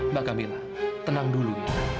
mbak kamila tenang dulu